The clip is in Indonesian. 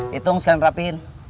hitung sekalian rapihin